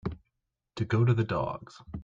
To go to the dogs.